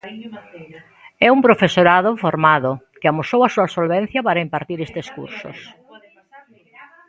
É un profesorado formado que amosou a súa solvencia para impartir estes cursos.